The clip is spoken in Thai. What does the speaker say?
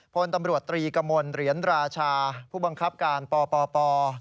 พลตำรวจตรีกมลเหรียญราชาผู้บังคับการปป